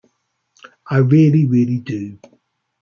I really, really do.